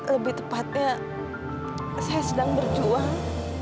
lebih tepatnya saya sedang berjuang